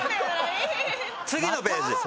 次のページです。